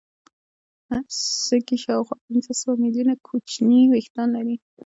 سږي شاوخوا پنځه سوه ملیونه کوچني وېښتان لري.